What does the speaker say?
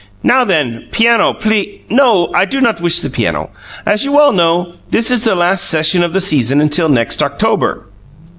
Now then! Piano, pl no, I do not wish the piano! As you all know, this is the last lesson of the season until next October.